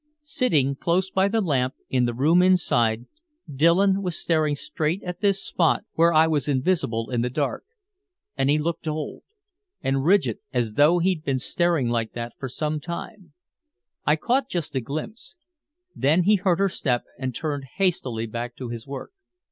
Sitting close by the lamp, in the room inside, Dillon was staring straight at this spot where I was invisible in the dark. And he looked old and rigid, as though he'd been staring like that for some time. I caught just a glimpse. Then he heard her step and turned hastily back to his work.